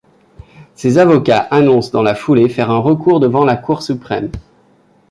Ses avocats annoncent dans la foulée faire un recours devant la Cour Suprême.